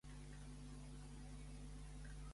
El president de la ràdio és Emmanuel Rials.